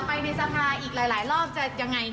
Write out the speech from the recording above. ออกไปได้ทรัพย์กันอีกหลายรอบจะยังไงนะ